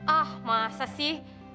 ah masa sih